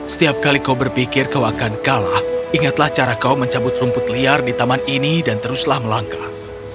setiap kali kau berpikir kau akan kalah ingatlah cara kau mencabut rumput liar di taman ini dan teruslah melangkah